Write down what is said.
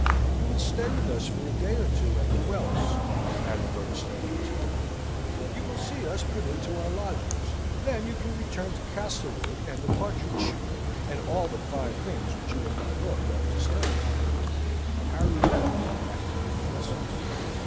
"You will stay with us for a day or two at the Wells," Madame Bernstein continued. "You will see us put into our lodgings. Then you can return to Castlewood and the partridge shooting, and all the fine things which you and my lord are to study together." Harry bowed an acquiescence.